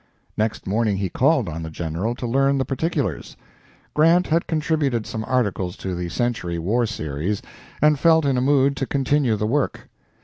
Next morning he called on the General to learn the particulars. Grant had contributed some articles to the "Century" war series, and felt in a mood to continue the work.